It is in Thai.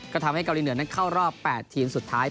ก็ทำให้เกาหลีเหนือนั้นเข้ารอบ๘ทีมสุดท้าย